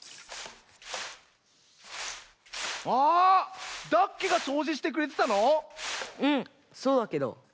あダッケがそうじしてくれてたの⁉うんそうだけど。